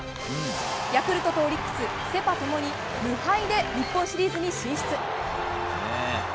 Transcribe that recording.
ヤクルトとオリックスセ・パ共に無敗で日本シリーズ進出。